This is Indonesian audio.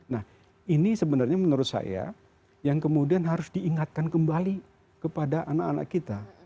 nah ini sebenarnya menurut saya yang kemudian harus diingatkan kembali kepada anak anak kita